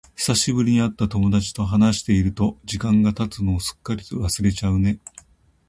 久しぶりに会った友達と話していると、時間が経つのをすっかり忘れちゃうね。